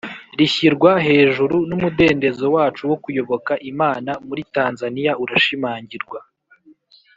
rishyirwa hejuru n umudendezo wacu wo kuyoboka Imana muri Tanzaniya urashimangirwa